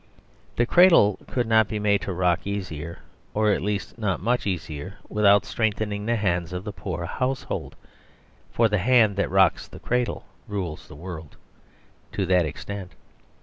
The cradle could not be made to rock easier, or, at least, not much easier, without strengthening the hands of the poor household, for the hand that rocks the cradle rules the world to that extent.